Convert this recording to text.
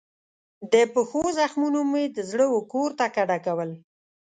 د پښو زخمونو مې د زړه وکور ته کډه کول